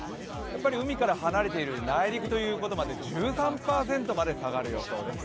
海から離れている内陸ということもあって１３％まで下がる予想です。